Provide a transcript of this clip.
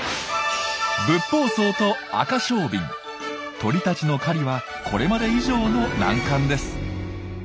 鳥たちの狩りはこれまで以上の難関です。